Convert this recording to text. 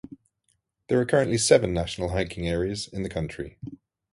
There are currently seven national hiking areas in the country.